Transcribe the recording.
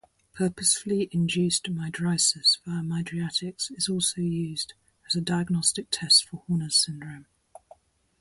Purposefully-induced mydriasis via mydriatics is also used as a diagnostic test for Horner's syndrome.